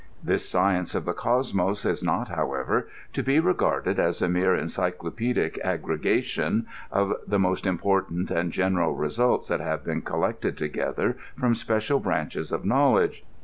This science of the Cosmos is not, however, to be re garded as a mere encyclopedic aggregation of the most im portant and general results that have been collected together from special branches of knowledge.